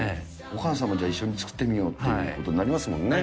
お母様、じゃあ、一緒に作ってみようってなりますもんね。